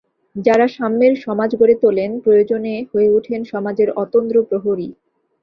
যাঁরা সাম্যের সমাজ গড়ে তোলেন, প্রয়োজনে হয়ে ওঠেন সমাজের অতন্দ্র প্রহরী।